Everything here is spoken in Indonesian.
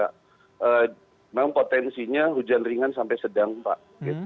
memang potensinya hujan ringan sampai sedang pak